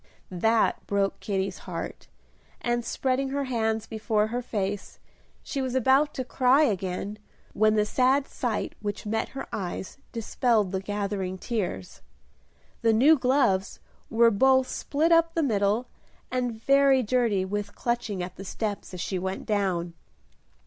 That broke Kitty's heart; and, spreading her hands before her face, she was about to cry again, when the sad sight which met her eyes dispelled the gathering tears. The new gloves were both split up the middle and very dirty with clutching at the steps as she went down.